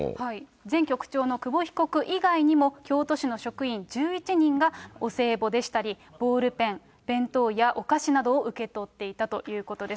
前局長の久保被告以外にも、京都市の職員１１人がお歳暮でしたり、ボールペン、弁当やお菓子などを受け取っていたということです。